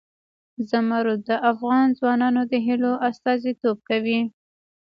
زمرد د افغان ځوانانو د هیلو استازیتوب کوي.